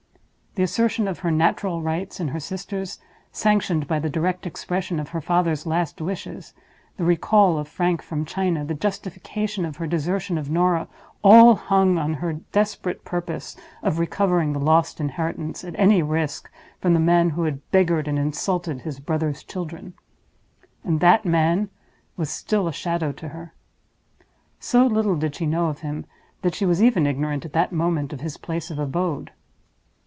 The assertion of her natural rights and her sister's, sanctioned by the direct expression of her father's last wishes; the recall of Frank from China; the justification of her desertion of Norah—all hung on her desperate purpose of recovering the lost inheritance, at any risk, from the man who had beggared and insulted his brother's children. And that man was still a shadow to her! So little did she know of him that she was even ignorant at that moment of his place of abode.